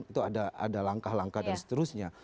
itu ada langkah langkah dan seterusnya